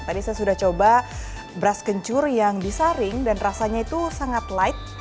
tadi saya sudah coba beras kencur yang disaring dan rasanya itu sangat light